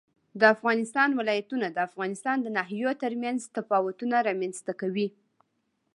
د افغانستان ولايتونه د افغانستان د ناحیو ترمنځ تفاوتونه رامنځ ته کوي.